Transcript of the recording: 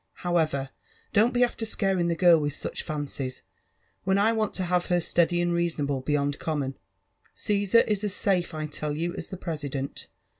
— However, don't be after scaring the #rt with su^ faodei, when I want to have her steady and reasonable beyond eommdo. Caesar is as safe, I tell you, as die President